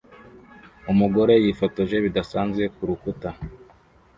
Umugore yifotoje bidasanzwe kurukuta